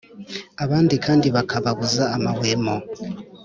abandi kandi bakababuza amahwemo